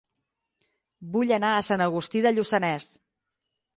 Vull anar a Sant Agustí de Lluçanès